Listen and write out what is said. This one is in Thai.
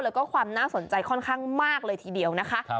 แล้วก็ความน่าสนใจค่อนข้างมากเลยทีเดียวนะคะ